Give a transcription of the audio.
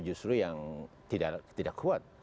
justru yang tidak kuat